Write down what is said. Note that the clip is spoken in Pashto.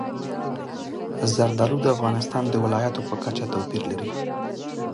زردالو د افغانستان د ولایاتو په کچه توپیر لري.